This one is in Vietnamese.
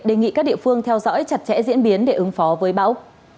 đề nghị các địa phương theo dõi chặt chẽ diễn biến để ứng phó với bão